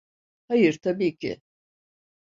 Hayır tabii ki.